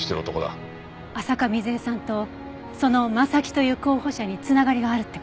浅香水絵さんとその真崎という候補者に繋がりがあるって事？